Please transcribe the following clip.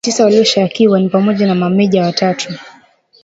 Wanajeshi tisa walioshtakiwa ni pamoja na mameja watatu